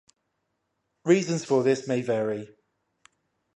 Reasons for this may vary.